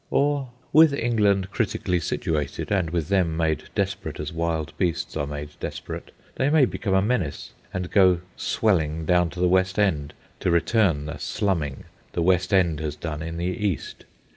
Or, with England critically situated, and with them made desperate as wild beasts are made desperate, they may become a menace and go "swelling" down to the West End to return the "slumming" the West End has done in the East.